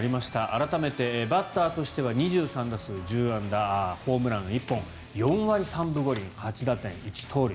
改めて、バッターとしては２３打数１０安打ホームラン１本４割３分５厘８打点１盗塁。